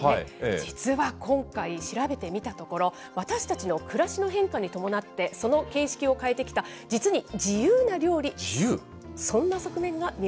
実は今回、調べてみたところ、私たちの暮らしの変化に伴って、その形式を変えてきた、実に自由な自由？